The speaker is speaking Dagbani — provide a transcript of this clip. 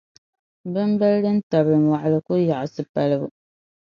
Bimbali din tabili mɔɣili ku yaɣisi palibu.